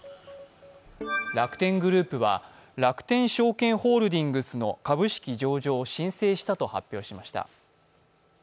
楽天グループは楽天証券ホールディングスの株式上場を申請したと発表しました。